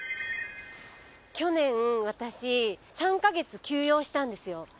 去年私３カ月休養したんですよ。